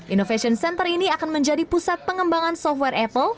innovation center ini akan menjadi pusat pengembangan software apple